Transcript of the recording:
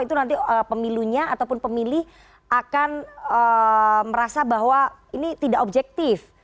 itu nanti pemilunya ataupun pemilih akan merasa bahwa ini tidak objektif